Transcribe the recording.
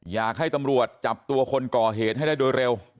อยากให้ตำรวจจับตัวคนก่อเหตุให้ได้โดยเร็ว